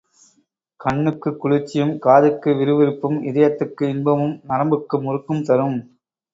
கண்ணுக்குக் குளிர்ச்சியும், காதுக்கு விறுவிறுப்பும், இதயத்துக்கு இன்பமும், நரம்புக்கு முறுக்கும் தரும்.